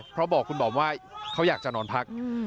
เพราะบอกคุณบอมว่าเขาอยากจะนอนพัก